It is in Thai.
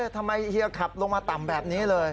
เฮียขับลงมาต่ำแบบนี้เลย